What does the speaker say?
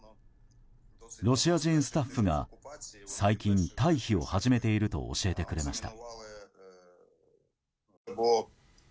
ロシア人スタッフが最近、退避を始めていると教えてくれました。